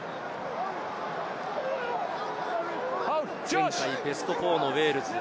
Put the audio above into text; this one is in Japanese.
前回ベスト４のウェールズ。